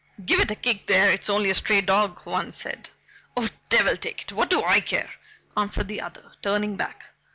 "Give it a kick there it's only a stray dog," one said. "Oh devil take it what do I care?" answered the other, turning back.